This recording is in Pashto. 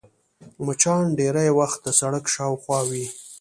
مچان ډېری وخت د سړک شاوخوا وي